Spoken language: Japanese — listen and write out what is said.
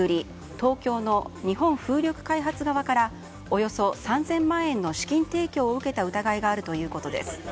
東京の日本風力開発側からおよそ３０００万円の資金提供を受けた疑いがあるということです。